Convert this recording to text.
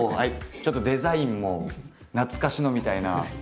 ちょっとデザインも懐かしのみたいな。